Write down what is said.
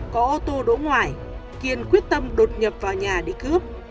có ô tô đỗ ngoại kiên quyết tâm đột nhập vào nhà đi cướp